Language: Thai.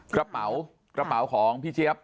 กระเป๋าของพี่เชี๊ยบ